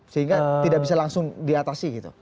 sehingga tidak bisa langsung diatasi gitu